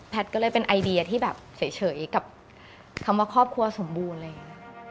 แพทย์ก็เลยเป็นไอเดียที่เฉยกับคำว่าครอบครัวสมบูรณ์